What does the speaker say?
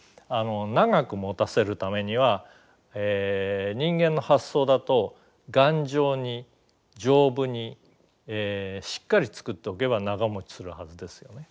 長くもたせるためには人間の発想だと頑丈に丈夫にしっかり作っておけば長もちするはずですよね。